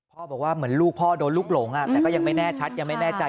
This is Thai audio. บอกว่าเหมือนลูกพ่อโดนลูกหลงแต่ก็ยังไม่แน่ชัดยังไม่แน่ใจ